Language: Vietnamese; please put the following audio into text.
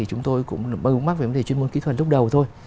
chúng tôi cũng vướng mắt về chuyên môn kỹ thuật lúc đầu thôi